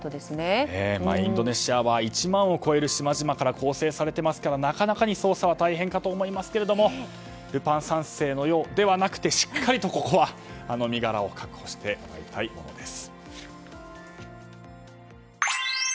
インドネシアは１万を超える島々から構成されてますからなかなか捜査は大変かと思いますがルパン３世のようではなくてしっかりと、ここは身柄を確保してもらいたいものです。